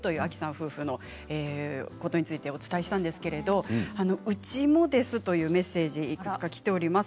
夫婦のことについてお伝えしたんですけれどうちもですというメッセージいくつかきています。